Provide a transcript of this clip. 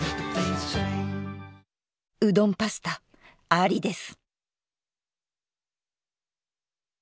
うどんパスタありです！